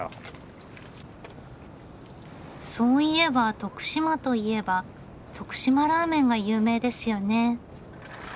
そういえば徳島といえば徳島ラーメンが有名ですよね。